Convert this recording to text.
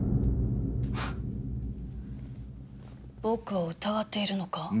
僕を疑っているのか？